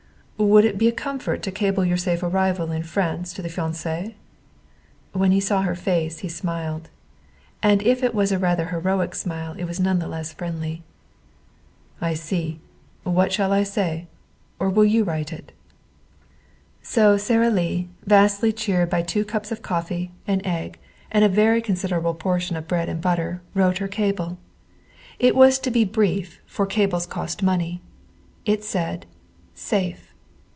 "Would it be a comfort to cable your safe arrival in France to the fiancé?" When he saw her face he smiled. And if it was a rather heroic smile it was none the less friendly. "I see. What shall I say? Or will you write it?" So Sara Lee, vastly cheered by two cups of coffee, an egg, and a very considerable portion of bread and butter, wrote her cable. It was to be brief, for cables cost money. It said, "Safe.